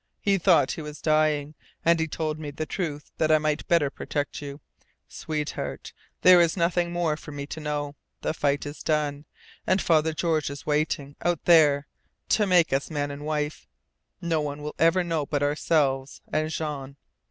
He thought he was dying, and he told me the truth that I might better protect you. Sweetheart, there is nothing more for me to know. The fight is done. And Father George is waiting out there to make us man and wife. No one will ever know but ourselves and Jean.